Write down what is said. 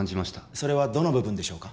それはどの部分でしょうか？